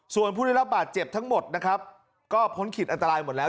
ส่วนผู้ได้รับบาดเจ็บทั้งหมดนะครับก็พ้นขีดอันตรายหมดแล้ว